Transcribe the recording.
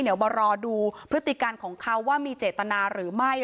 เดี๋ยวมารอดูพฤติการของเขาว่ามีเจตนาหรือไม่